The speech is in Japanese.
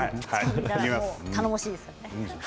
頼もしいです。